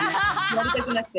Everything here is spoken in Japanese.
やりたくなくて。